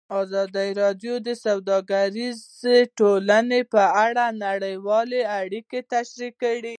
ازادي راډیو د سوداګریز تړونونه په اړه نړیوالې اړیکې تشریح کړي.